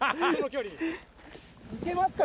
いけますか？